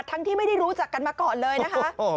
ที่ไม่ได้รู้จักกันมาก่อนเลยนะคะ